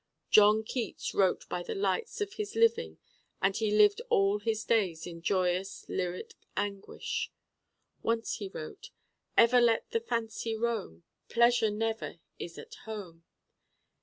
John Keats wrote by the lights of his living and he lived all his days in joyous lyric anguish. Once he wrote, 'Ever let the Fancy roam, Pleasure never is at home.